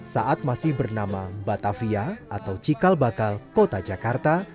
saat masih bernama batavia atau cikal bakal kota jakarta